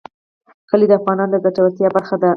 کلي د افغانانو د ګټورتیا برخه ده.